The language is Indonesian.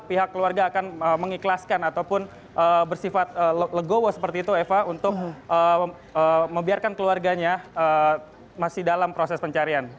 pihak keluarga akan mengikhlaskan ataupun bersifat legowo seperti itu eva untuk membiarkan keluarganya masih dalam proses pencarian